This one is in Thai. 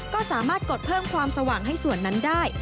ก็สามารถกดเพิ่มความสว่างให้ส่วนนั้นได้